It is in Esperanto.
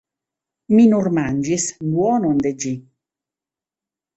Mi nur manĝis duonon de ĝi!